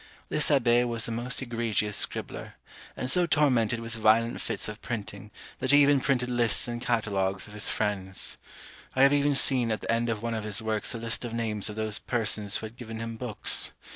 This Abbé was a most egregious scribbler; and so tormented with violent fits of printing, that he even printed lists and catalogues of his friends. I have even seen at the end of one of his works a list of names of those persons who had given him books.